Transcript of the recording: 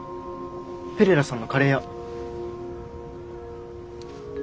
ペレラさんのカレー屋。